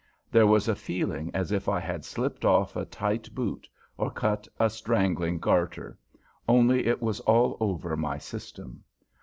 There was a feeling as if I had slipped off a tight boot, or cut a strangling garter, only it was all over my system.